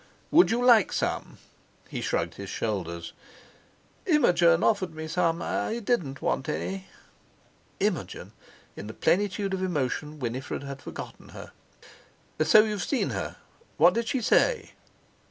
"Would you like some?" He shrugged his shoulders. "Imogen offered me some. I didn't want any." Imogen! In the plenitude of emotion Winifred had forgotten her. "So you've seen her? What did she say?"